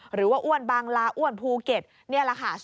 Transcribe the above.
หรือว่าอ้วนบางลาอ้วนภูเก็ตนี่แหละค่ะ